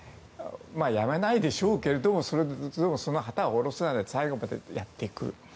やめないでしょうけれどもでも、その旗は下ろせないので最後までやっていく。